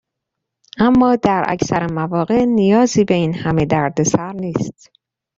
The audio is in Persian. اما در اکثر مواقع نیازی به این همه دردسر نیست.